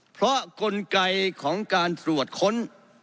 เพราะกลไกของการตรวจค้น